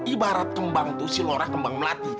ibarat kembang tuh si laura kembang melati